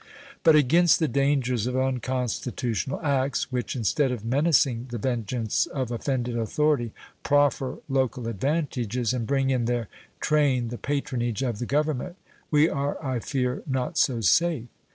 But against the dangers of unconstitutional acts which, instead of menacing the vengeance of offended authority, proffer local advantages and bring in their train the patronage of the Government, we are, I fear, not so safe.